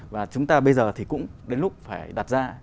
và chúng ta bây giờ thì cũng đến lúc phải đặt ra